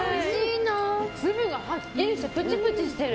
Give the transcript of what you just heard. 粒がはっきりしてプチプチしてる。